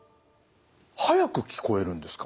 速く聞こえるんですか？